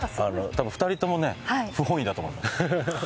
多分２人ともね不本意だと思います。